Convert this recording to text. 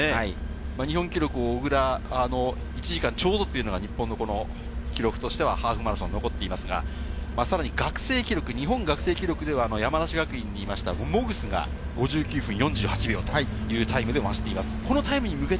日本記録小椋、１時間ちょうどというのが、日本の記録としてはハーフマラソン残っていますが、さらに日本学生記録では、山梨学院にいましたモグスが５９分４８秒というタイムで走っています。